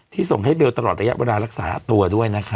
ส่งให้เบลตลอดระยะเวลารักษาตัวด้วยนะคะ